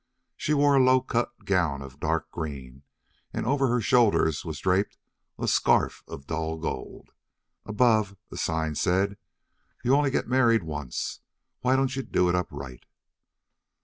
She wore a low cut gown of dark green, and over her shoulders was draped a scarf of dull gold. Above, a sign said: "You only get married once; why don't you do it up right?"